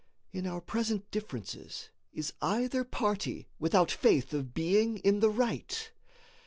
In our present differences is either party without faith of being in the right?